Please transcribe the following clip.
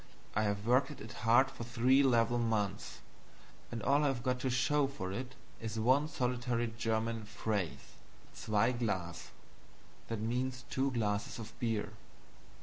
I have worked at it hard for three level months, and all I have got to show for it is one solitary German phrase 'ZWEI GLAS'" (two glasses of beer).